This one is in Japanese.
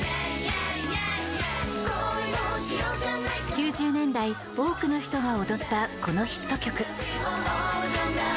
９０年代多くの人が踊ったこのヒット曲。